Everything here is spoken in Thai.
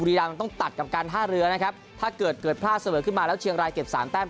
รามมันต้องตัดกับการท่าเรือนะครับถ้าเกิดเกิดพลาดเสมอขึ้นมาแล้วเชียงรายเก็บสามแต้ม